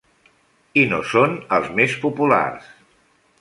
I no són els més populars.